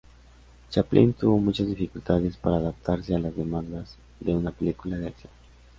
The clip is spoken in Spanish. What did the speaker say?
Chaplin tuvo muchas dificultades para adaptarse a las demandas de una película de acción.